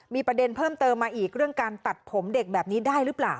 มีประเด็นเพิ่มเติมมาอีกเรื่องการตัดผมเด็กแบบนี้ได้หรือเปล่า